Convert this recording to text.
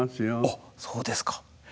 あっそうですか。